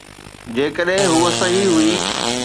جيڪڏهن هوء صحيح هئي.